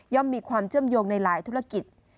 มีความเชื่อมโยงในหลายธุรกิจ